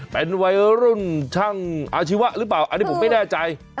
เป็นวัยรุ่นช่างอาชีวะหรือเปล่าอันนี้ผมไม่แน่ใจ